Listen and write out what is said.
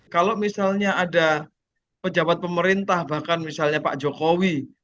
kalau misalnya ada pejabat pemerintah bahkan misalnya pak jokowi